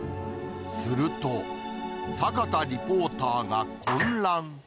すると、坂田リポーターが混乱。